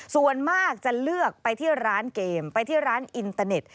ส่วนมากจะเลือกไปที่ร้านเกมไปที่ร้านอินเตอร์เน็ต